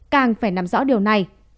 càng phải nắm rõ điều này